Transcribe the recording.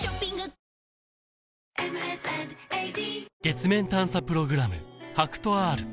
月面探査プログラム